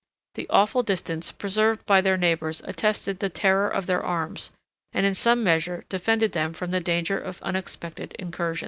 The awful distance preserved by their neighbors attested the terror of their arms, and in some measure defended them from the danger of unexpected incursions.